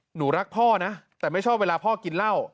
หนูรักพ่อนะแต่ไม่ชอบเวลาพ่อกินเหล้า